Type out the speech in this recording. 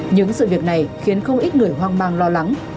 những sự việc này khiến không ít người hoang mang lo lắng